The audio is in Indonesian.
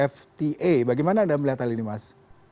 fta bagaimana anda melihat hal ini mas